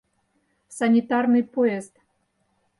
Санитарный поезд...